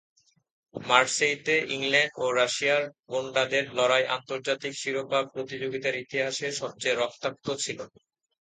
মার্সেইতে England ও রাশিয়ার গুণ্ডাদের লড়াই আন্তর্জাতিক শিরোপা প্রতিযোগিতার ইতিহাসে সবচেয়ে রক্তাক্ত ছিল।